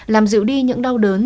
làm giữ đi những đau đớn